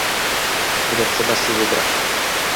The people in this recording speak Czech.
Bude třeba si vybrat.